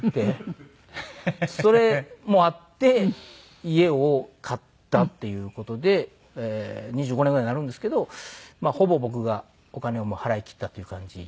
それもあって家を買ったっていう事で２５年ぐらいになるんですけどほぼ僕がお金を払いきったという感じですね。